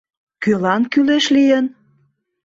Кӧлан кӱлеш лийын?..